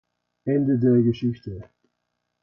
Ende der Geschichte.